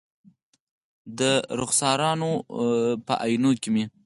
د رخسارونو په آئینو کې مې